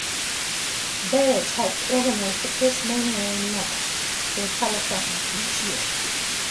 Barich helps organise the Chris Mainwaring match for Telethon each year.